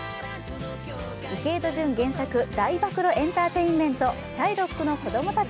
池井戸潤原作、大暴露エンターテインメント、「シャイロックの子供たち」